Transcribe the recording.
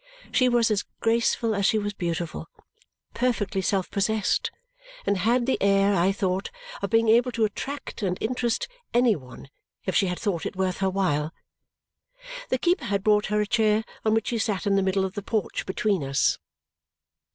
She was as graceful as she was beautiful, perfectly self possessed, and had the air, I thought, of being able to attract and interest any one if she had thought it worth her while. The keeper had brought her a chair on which she sat in the middle of the porch between us.